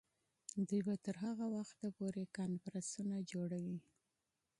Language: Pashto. دوی به تر هغه وخته پورې کنفرانسونه جوړوي.